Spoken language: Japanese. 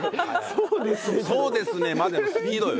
「そうですね」までのスピードよ。